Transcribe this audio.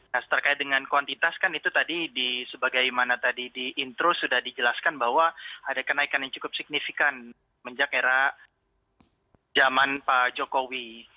nah terkait dengan kuantitas kan itu tadi sebagaimana tadi di intro sudah dijelaskan bahwa ada kenaikan yang cukup signifikan menjek era zaman pak jokowi